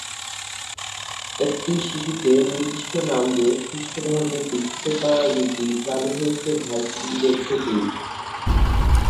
একটি শিশুকে নির্দিষ্ট নাম দিয়ে খ্রিস্টধর্মে দীক্ষিত করার রীতি চালু হয়েছে ভাইকিং দের থেকেই।